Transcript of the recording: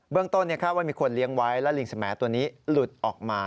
เบื้องต้นว่ามีคนเลี้ยงไว้แล้วลิงสมแหมตัวนี้หลุดออกมา